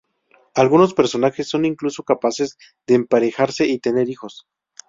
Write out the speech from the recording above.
Algunos personajes son incluso capaces de emparejarse y tener hijos.